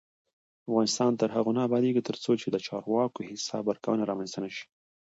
افغانستان تر هغو نه ابادیږي، ترڅو د چارواکو حساب ورکونه رامنځته نشي.